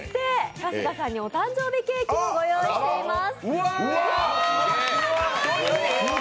春日さんにお誕生日ケーキもご用意しています。